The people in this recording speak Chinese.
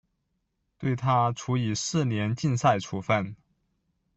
对她处以四年禁赛处分。